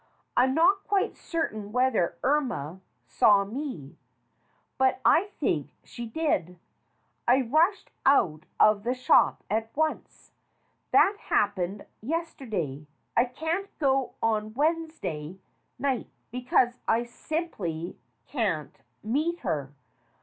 I'm not quite certain whether Irma saw me, but I think she did. I rushed out of the shop at once. That happened yesterday. I can't go on Wednesday night because I simply can't meet her.